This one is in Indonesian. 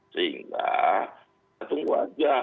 sehingga kita tunggu aja